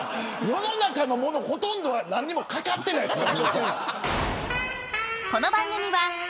世の中のもの、ほとんどは何もかかっていないですよ。